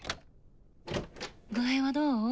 具合はどう？